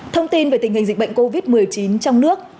thông tin về tình hình dịch bệnh covid một mươi chín